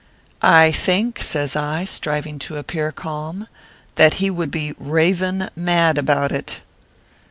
" I think," says I, striving to appear calm, " that he would be e Raven mad about it."